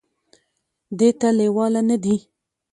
دې ته لېواله نه دي ،